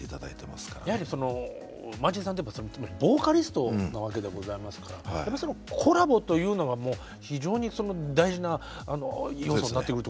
やはりそのマーチンさんといえばボーカリストなわけでございますからコラボというのがもう非常に大事な要素になってくるということですね。